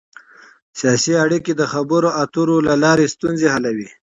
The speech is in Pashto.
ډيپلوماسي د خبرو اترو له لارې ستونزې حلوي.